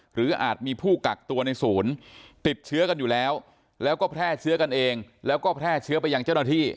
อาจมีผู้กักตัวในศูนย์ติดเชื้อกันอยู่แล้วแล้วก็แพร่เชื้อกันเองแล้วก็แพร่เชื้อไปยังเจ้าหน้าที่